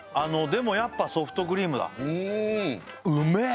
でもやっぱソフトクリームだうめえ！